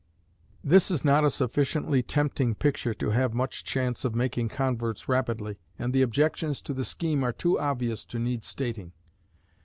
This is not a sufficiently tempting picture to have much chance of making converts rapidly, and the objections to the scheme are too obvious to need stating.